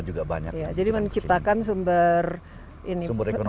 juga banyak jadi menciptakan sumber